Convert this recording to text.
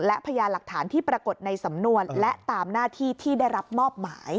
และพยานหลักฐานที่ปรากฏในสำนวนและตามหน้าที่ที่ได้รับมอบหมาย